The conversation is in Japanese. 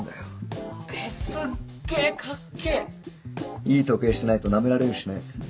その時計いい時計してないとナメられるしね